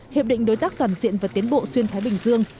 hiệp định đối tác toàn diện và tiến bộ xuyên thái bình dương